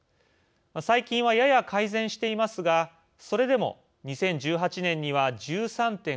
最近は、やや改善していますがそれでも、２０１８年には１３．５％